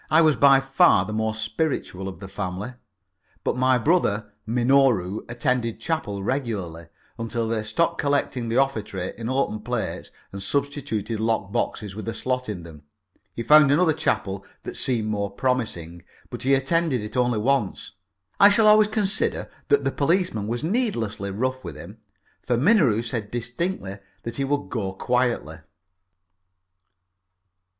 I was by far the most spiritual of the family. But my brother Minoru attended chapel regularly, until they stopped collecting the offertory in open plates and substituted locked boxes with a slot in them. He found another chapel that seemed more promising, but he attended it only once. I shall always consider that the policeman was needlessly rough with him, for Minoru said distinctly that he would go quietly.